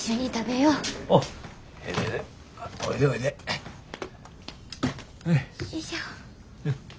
よいしょ。